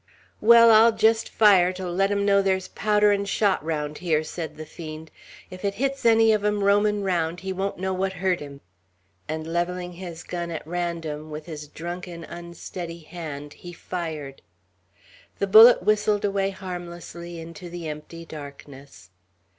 "Well, I'll jest fire, to let 'em know there's powder 'n shot round here," said the fiend. "If it hits any on 'em roamin' round, he won't know what hurt him;" and levelling his gun at random, with his drunken, unsteady hand he fired. The bullet whistled away harmlessly into the empty darkness.